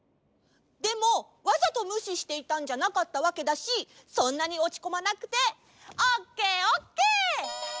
でもわざとむししていたんじゃなかったわけだしそんなにおちこまなくてオッケーオッケー！